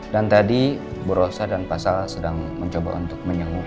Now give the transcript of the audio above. dan tadi bu rosa dan pak sal sedang mencoba untuk menyangkut